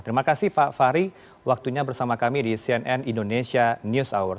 terima kasih pak fahri waktunya bersama kami di cnn indonesia news hour